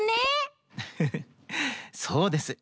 フフそうです。